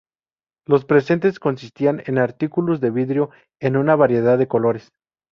Los presentes consistían en artículos de vidrio en una variedad de colores.